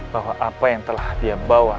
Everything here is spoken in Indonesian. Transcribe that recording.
bahwa apa yang telah dia bawa